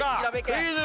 クイズ。